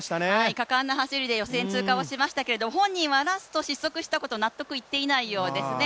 果敢な走りで予選通過しましたけれども、本人はラスト失速したこと、納得いっていないようですね。